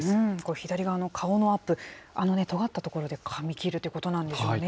左側の顔のアップ、あのとがった所でかみ切るということなんですよね。